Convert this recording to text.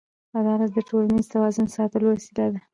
عدالت د ټولنیز توازن ساتلو وسیله ده.